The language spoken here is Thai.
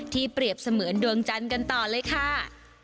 เปรียบเสมือนดวงจันทร์กันต่อเลยค่ะ